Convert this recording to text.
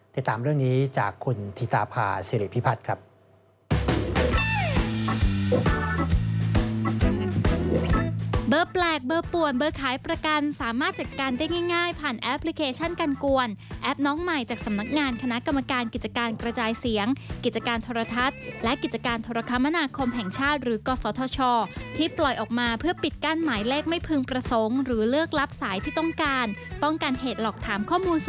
ติดตามเรื่องนี้จากคุณธิตาพาสิริพิพัฒน์ครับ